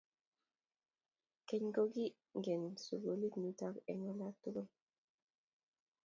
keny kogingine sugulit nito eng ola tugul